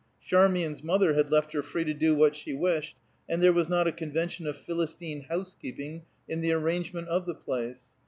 Charmian's mother had left her free to do what she wished, and there was not a convention of Philistine housekeeping in the arrangement of the place.